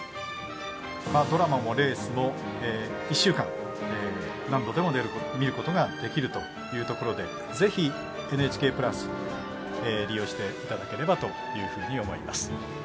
ドラマもレースも１週間何度でも見ることができるというところでぜひ「ＮＨＫプラス」を利用していただければと思います。